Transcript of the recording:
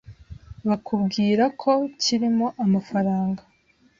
bakubwira ko kirimo amafaranga